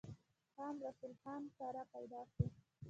خان رسول خان کره پيدا شو ۔